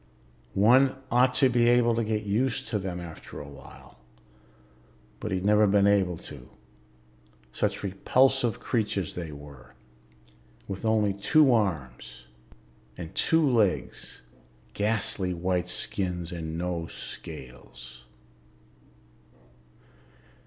One ought to be able to get used to them after a while, but he'd never been able to. Such repulsive creatures they were, with only two arms and two legs, ghastly white skins and no scales.